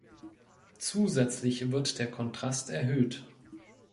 Zusätzlich wird der Kontrast erhöht.